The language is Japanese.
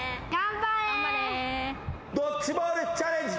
ドッジボールチャレンジ。